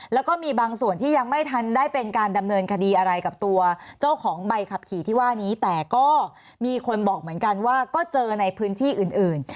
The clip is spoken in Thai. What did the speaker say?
แล้วก็มีบางส่วนที่ยังไม่ทันได้เป็นการดำเนินคดีอะไรกับตัวเจ้าของใบขับขี่ที่ว่านี้แต่ก็มีคนบอกเหมือนกันว่าก็เจอในพื้นที่อื่น